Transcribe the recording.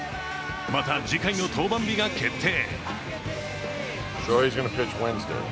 また、次回の登板日が決定。